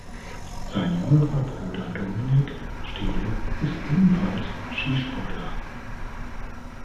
Sein jüngerer Bruder Dominik Stehle ist ebenfalls Skisportler.